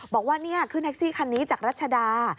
บอกว่านี่ขึ้นแท็กซี่คันนี้จากรัชดา